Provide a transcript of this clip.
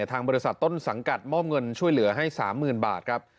ทางบริษัทต้นสังกัดมอบเงินช่วยเหลือให้๓๐๐๐บาทครับ